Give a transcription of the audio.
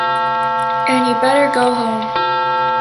An' you better go home.